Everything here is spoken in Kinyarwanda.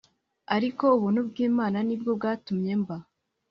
Ariko ubuntu bw Imana ni bwo bwatumye mba